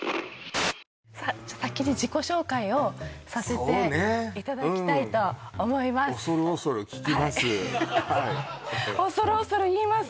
先に自己紹介をそうねさせていただきたいと思います